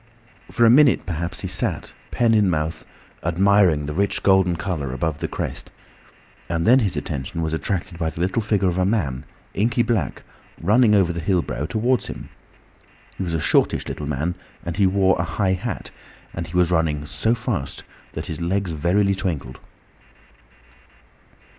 For a minute perhaps he sat, pen in mouth, admiring the rich golden colour above the crest, and then his attention was attracted by the little figure of a man, inky black, running over the hill brow towards him. He was a shortish little man, and he wore a high hat, and he was running so fast that his legs verily twinkled.